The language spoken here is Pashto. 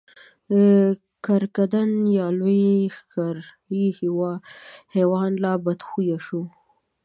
کرکدن یا لوی ښکری حیوان لا بدخویه شو.